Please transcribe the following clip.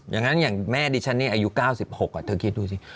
อย่างแม่ดิฉันนี่อายุ๙๖เธอคิดดูสิ